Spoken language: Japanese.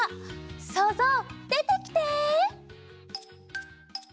そうぞうでてきて！